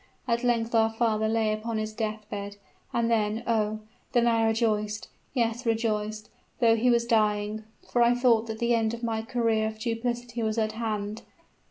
At length our father lay upon his death bed: and then oh! then I rejoiced yes, rejoiced, though he was dying; for I thought that the end of my career of duplicity was at hand.